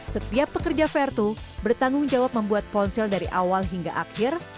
setiap pekerja vertu bertanggung jawab membuat ponsel dari awal hingga akhir